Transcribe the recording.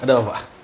ada apa pak